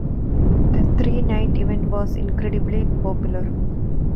The three-night event was incredibly popular.